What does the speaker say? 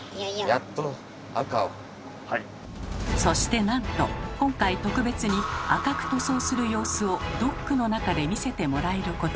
そしてなんと今回特別に赤く塗装する様子をドックの中で見せてもらえることに。